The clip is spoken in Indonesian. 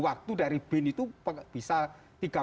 waktu dari bin itu bisa